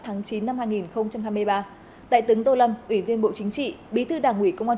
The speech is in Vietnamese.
tháng chín năm hai nghìn hai mươi ba đại tướng tô lâm ủy viên bộ chính trị bí thư đảng ủy công an